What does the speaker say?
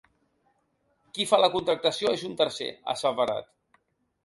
Qui fa la contractació és un tercer, ha asseverat.